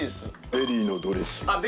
ベリーのドレッシング・あっ